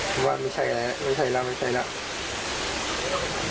เพราะว่าไม่ใช่แล้วไม่ใช่แล้วไม่ใช่แล้ว